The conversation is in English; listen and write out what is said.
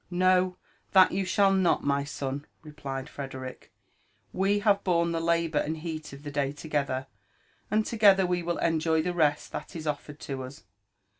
" No, thatahall you not, my son," replied Frederick : "we have borne the labour and heat of the day together, and together will we enjoy the rest that is olTcred to us.